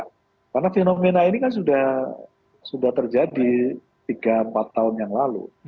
karena fenomena ini kan sudah terjadi tiga empat tahun yang lalu